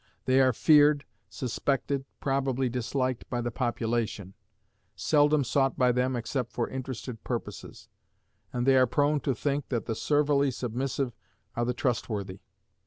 They are feared, suspected, probably disliked by the population; seldom sought by them except for interested purposes; and they are prone to think that the servilely submissive are the trustworthy.